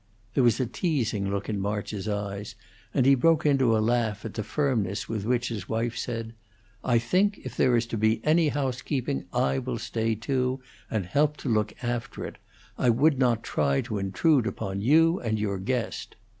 There was a teasing look in March's eyes, and he broke into a laugh, at the firmness with which his wife said: "I think if there is to be any housekeeping, I will stay, too; and help to look after it. I would try not intrude upon you and your guest."